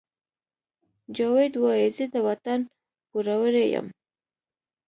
جاوید وایی زه د وطن پوروړی یم